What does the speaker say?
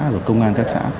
và công an các xã